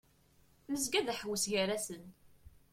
Nezga d aḥewwes gar-asen.